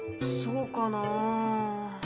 そうかな。